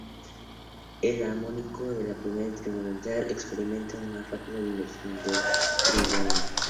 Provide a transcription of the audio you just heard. En el amoniaco la pirámide trigonal experimenta una rápida inversión del nitrógeno.